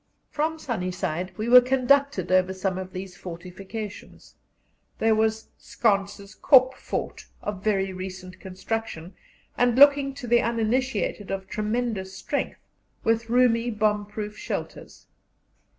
From Sunny Side we were conducted over some of these fortifications: there was Schantz's Kop Fort, of very recent construction, and looking to the uninitiated of tremendous strength, with roomy bomb proof shelters.